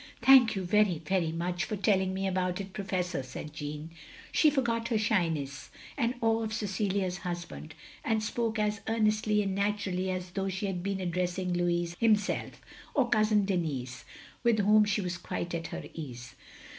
" "Thank you very, very much for telling me about it, Professor," said Jeanne. She forgot her shyness, and awe of Cecilia's husband, and spoke as earnestly and naturally as though she had been addressing Louis himself; or Cousin Denis, with whom she was quite at her ease.